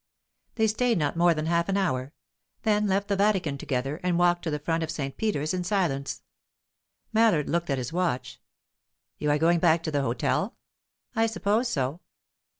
They stayed not more than half an hour; then left the Vatican together, and walked to the front of St. Peter's in silence. Mallard looked at his watch. "You are going back to the hotel?" "I suppose so."